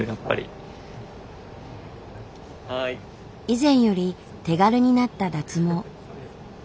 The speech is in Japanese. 以前より手軽になった脱毛。